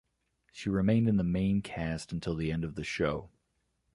She remained in the main cast until the end of the show.